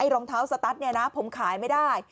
รองเท้าสตั๊ดนี้ผมขายไม่ได้